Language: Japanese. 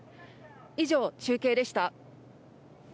以上、中継でした。